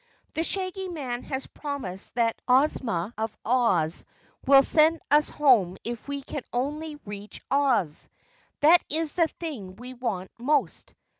The Shaggy Man has promised that Ozma of Oz will send us home if we can only reach Oz. That is the thing we want most.